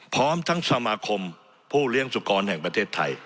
พร้อมทั้งสมาคมผู้เลี้ยงสุกรแห่งประเทศไทย